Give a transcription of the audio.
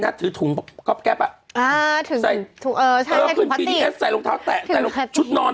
น่ะถือถุงก็แก็บป่ะอ่าถึงเออใช่คุณพ